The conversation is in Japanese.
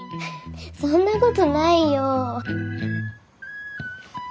そんなことないよ。